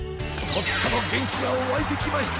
とってもげんきがわいてきました！